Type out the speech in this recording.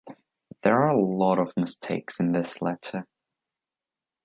There are a lot of mistakes in this letter.